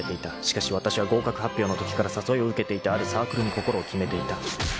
［しかしわたしは合格発表のときから誘いを受けていたあるサークルに心を決めていた］